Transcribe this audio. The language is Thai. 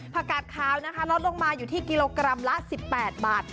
กาดขาวนะคะลดลงมาอยู่ที่กิโลกรัมละ๑๘บาท